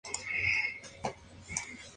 Thomas Church, en una tierra más alta, permanece.